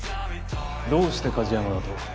どうして梶山だと？